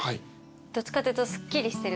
どっちかというとすっきりしてる？